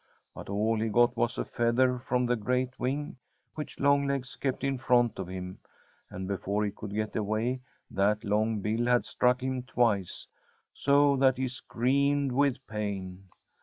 But all he got was a feather from that great wing which Longlegs kept in front of him, and before he could get away, that long bill had struck him twice, so that he screamed with pain.